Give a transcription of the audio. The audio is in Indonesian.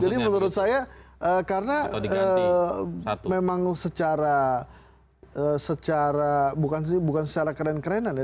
jadi menurut saya karena memang secara bukan sih bukan secara keren kerenan ya